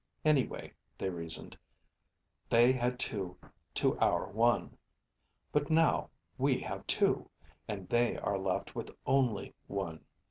Anyway, they reasoned, they had two to our one. But now, we have two, and they are left with only one.